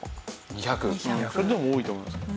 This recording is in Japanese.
それでも多いと思いますけど。